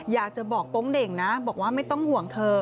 อยากจะบอกโป๊งเด่งนะบอกว่าไม่ต้องห่วงเธอ